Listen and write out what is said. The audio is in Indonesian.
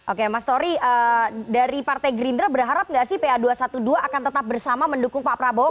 oke mas tori dari partai gerindra berharap nggak sih pa dua ratus dua belas akan tetap bersama mendukung pak prabowo